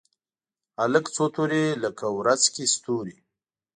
هلک څو توري لکه ورځ کې ستوري